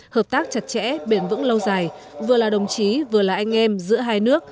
hợp tác chặt chẽ bền vững lâu dài vừa là đồng chí vừa là anh em giữa hai nước